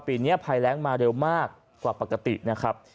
ปีนี้ภัยแรงมาเร็วมากกว่าปกตินะครับ